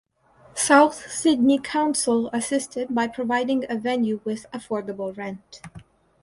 South Sydney Council assisted by providing a venue with affordable rent.